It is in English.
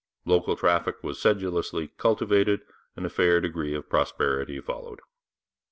Local traffic was sedulously cultivated, and a fair degree of prosperity followed.